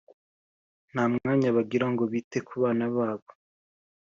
nta mwanya bagira ngo bite ku bana babo